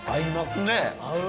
合う？